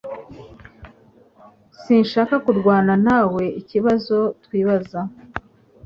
Sinshaka kurwana nawe ikibazo twibaza